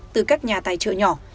từ các nhà tài trợ nhỏ